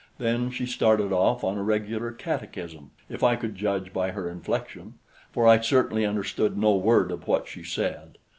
Then she started off on a regular catechism, if I could judge by her inflection, for I certainly understood no word of what she said.